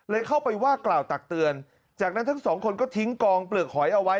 เข้าไปว่ากล่าวตักเตือนจากนั้นทั้งสองคนก็ทิ้งกองเปลือกหอยเอาไว้